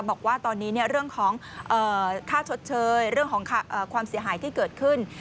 บอกว่าตอนนี้เรื่องของค่าชดเชยเรื่องของความเสียหายที่เกิดขึ้น